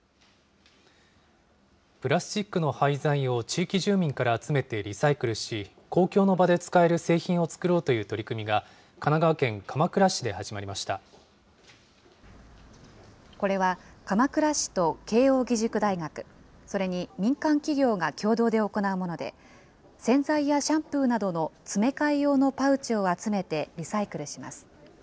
プラスチックの廃材を地域住民から集めてリサイクルし、公共の場で使える製品を作ろうという取り組みが、神奈川県鎌倉市これは、鎌倉市と慶應義塾大学、それに民間企業が協同で行うもので、洗剤やシャンプーなどの詰め替え用のパウチを集めてリサイクルします。